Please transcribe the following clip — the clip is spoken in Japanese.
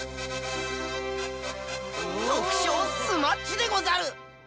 特賞スマッチでござる！